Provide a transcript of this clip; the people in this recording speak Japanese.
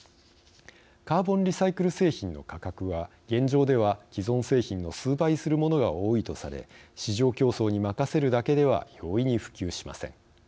カーボンリサイクル製品の価格は現状では既存製品の数倍するものが多いとされ市場競争に任せるだけでは容易に普及しません。